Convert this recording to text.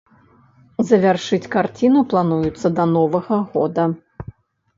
Завяршыць карціну плануецца да новага года.